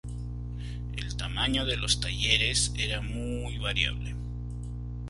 El tamaño de los talleres era muy variable.